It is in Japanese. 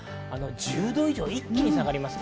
１０度以上、一気に下がります。